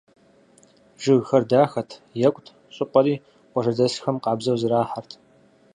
Жыгхэр дахэт, екӏут, щӏыпӏэри къуажэдэсхэм къабзэу зэрахьэрт.